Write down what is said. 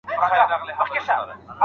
د نيکونو ميراث وساتئ.